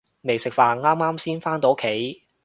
未食飯，啱啱先返到屋企